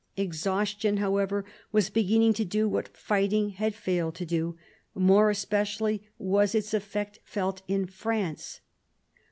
Exhaustion, however, was beginning to do what fighting had failed to do. More especially was its effect felt in France.